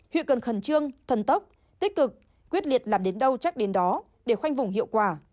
huyện cần khẩn trương thần tốc tích cực quyết liệt làm đến đâu chắc đến đó để khoanh vùng hiệu quả